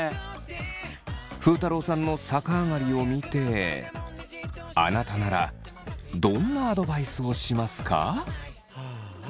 ふうたろうさんの逆上がりを見てあなたならどんなアドバイスをしますか？